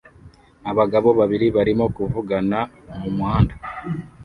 Abagabo babiri barimo kuvugana mu muhanda